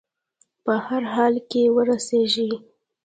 په هر حال کې وررسېږي.